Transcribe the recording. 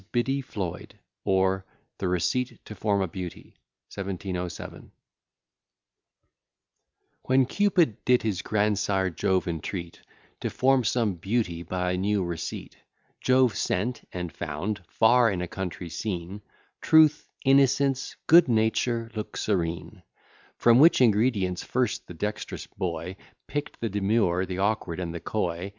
BIDDY FLOYD; OR, THE RECEIPT TO FORM A BEAUTY. 1707 When Cupid did his grandsire Jove entreat To form some Beauty by a new receipt, Jove sent, and found, far in a country scene, Truth, innocence, good nature, look serene: From which ingredients first the dext'rous boy Pick'd the demure, the awkward, and the coy.